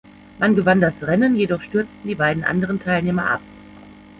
Man gewann das Rennen, jedoch stürzten die beiden anderen Teilnehmer ab.